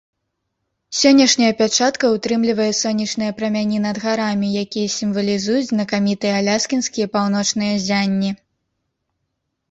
Сённяшняя пячатка ўтрымлівае сонечныя прамяні над гарамі, якія сімвалізуюць знакамітыя аляскінскія паўночныя ззянні.